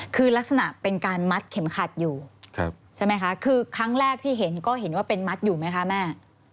คือลักษณะเป็นการมัดเข็มขัดอยู่ใช่ไหมคะคือครั้งแรกที่เห็นก็เห็นว่าเป็นมัดอยู่ไหมคะแม่